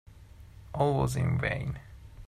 All was in vain.